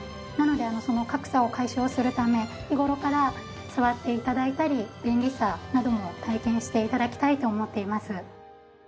なのでその格差を解消するため日頃から触って頂いたり便利さなども体験して頂きたいと思っています。